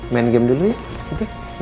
main game dulu ya